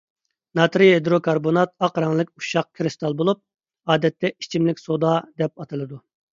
ناترىي ھىدروكاربونات ئاق رەڭلىك ئۇششاق كىرىستال بولۇپ، ئادەتتە «ئىچىملىك سودا» دەپ ئاتىلىدۇ.